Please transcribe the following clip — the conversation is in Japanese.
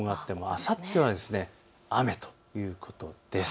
あさっては雨ということです。